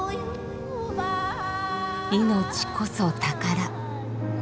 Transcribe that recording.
「命こそ宝」。